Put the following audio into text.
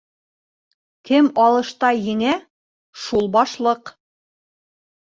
Кем алышта еңә, шул башлыҡ.